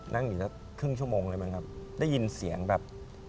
นั่งอยู่สักครึ่งชั่วโมงได้มั้งครับได้ยินเสียงแบบ